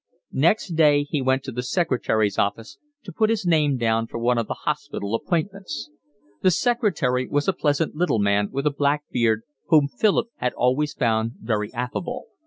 Next day he went to the secretary's office to put his name down for one of the hospital appointments. The secretary was a pleasant little man with a black beard, whom Philip had always found very affable.